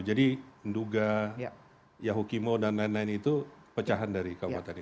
jadi nduga yahukimo dan lain lain itu pecahan dari kabupaten ini